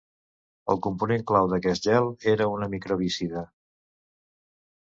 El component clau d’aquest gel era una microbicida.